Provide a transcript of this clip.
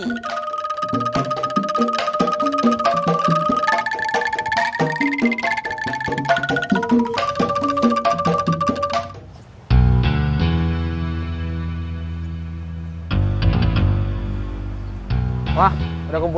hai wah udah kumpulkan ini